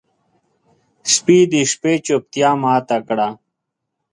سپي د شپې چوپتیا ماته کړه.